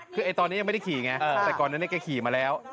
คือตอนนี้ยังไม่ได้ขี่ไงแต่ก่อนนั้นแกขี่มาแล้ว